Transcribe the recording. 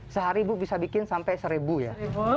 sehari ibu bisa bikin sampai seribu ya